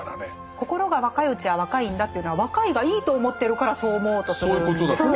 心が若いうちは若いんだっていうのは若いがいいと思ってるからそう思おうとするんですね。